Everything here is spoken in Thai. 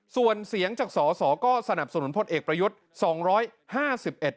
ส่วนเสียงจากสอสอก็สนับสนุนพลเอกประยุทธ์